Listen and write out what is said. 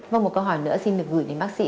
và một câu hỏi nữa xin được gửi đến bác sĩ